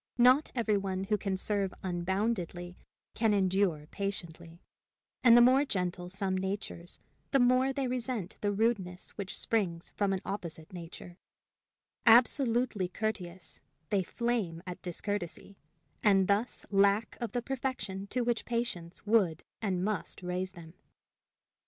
Not every one who can serve unboundedly can endure patiently; and the more gentle some natures, the more they resent the rudeness which springs from an opposite nature; absolutely courteous, they flame at discourtesy, and thus lack of the perfection to which patience would and must raise them.